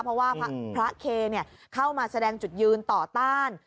เพราะว่าพระเคเข้ามาแสดงจุดยืนต่อต้าน